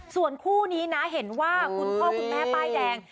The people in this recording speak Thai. ส่วนคู่นี้นะเห็นว่าคุณพ่อคุณแม่ป้ายแดง